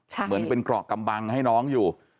เหมือนเป็นเกราะกำบังให้น้องอยู่